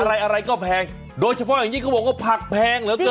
อะไรอะไรก็แพงโดยเฉพาะอย่างนี้เขาบอกว่าผักแพงเหลือเกิน